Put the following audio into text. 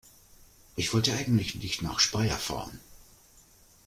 Ich wollte eigentlich nicht nach Speyer fahren